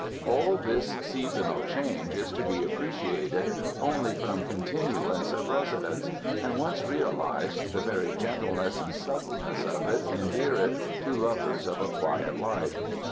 All this seasonal change is to be appreciated only from continuance of residence, and once realized, the very gentleness and subtleness of it endear it to lov ers of a quiet life.